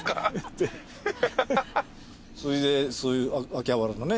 それでそういう秋葉原とかね